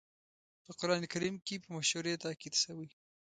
په قرآن کريم کې په مشورې تاکيد شوی.